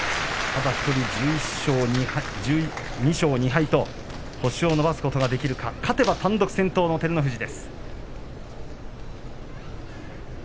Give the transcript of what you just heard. ただ１人、１２勝２敗と星を伸ばすことができるか勝てば単独先頭の照ノ富士。